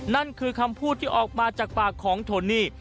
นั่นคือคำพูดที่ออกมาจากปากของโทนี่